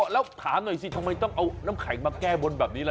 แล้วถามหน่อยสิทำไมต้องเอาน้ำแข็งมาแก้บนแบบนี้ล่ะ